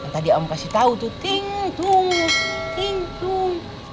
tadi om kasih tau tuh ting tung ting tung